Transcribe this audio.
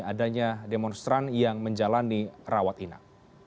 adanya demonstran yang menjalani rawat inap